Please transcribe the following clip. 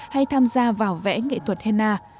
hay tham gia vào vẽ nghệ thuật henna